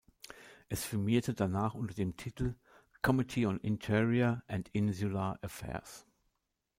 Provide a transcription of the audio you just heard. Es firmierte danach unter dem Titel "Committee on Interior and Insular Affairs".